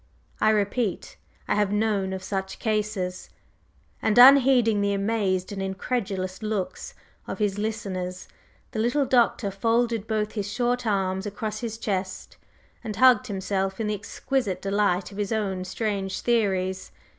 I repeat, I have known of such cases." And, unheeding the amazed and incredulous looks of his listeners, the little Doctor folded both his short arms across his chest, and hugged himself in the exquisite delight of his own strange theories.